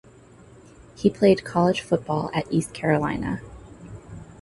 He played college football at East Carolina.